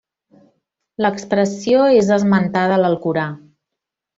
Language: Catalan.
L'expressió és esmentada a l'Alcorà.